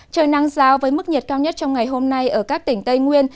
trời nắng giáo với mức nhiệt cao nhất trong ngày hôm nay ở các tỉnh tây nguyên